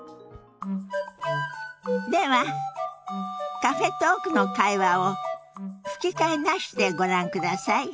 ではカフェトークの会話を吹き替えなしでご覧ください。